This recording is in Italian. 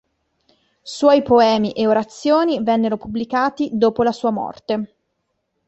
Suoi poemi e orazioni vennero pubblicati dopo la sua morte.